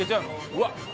うわっ